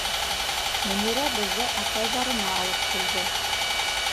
Мөнирә беҙҙе апайҙарына алып килде.